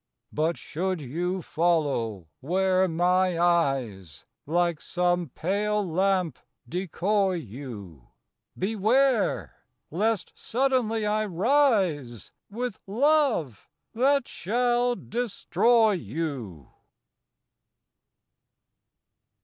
But should you follow where my eyes Like some pale lamp decoy you, Beware! lest suddenly I rise With love that shall destroy you.